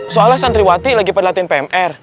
soalnya santriwati lagi pada latihan pmr